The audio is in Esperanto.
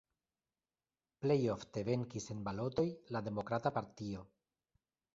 Plej ofte venkis en balotoj la Demokrata Partio.